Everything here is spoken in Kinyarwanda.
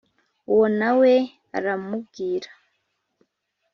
Uwo na we aramubwira .